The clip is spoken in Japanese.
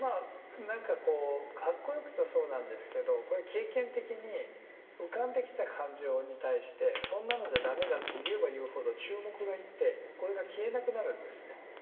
何かこうかっこよく言うとそうなんですけどこれは経験的に浮かんできた感情に対してそんなのじゃ駄目だって言えば言うほど注目が行ってこれが消えなくなるんですね。